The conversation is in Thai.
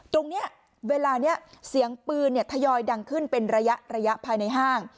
ตรงนี้เวลานี้เสียงปืนทยอยดังขึ้นเป็นระยะภายในห้าง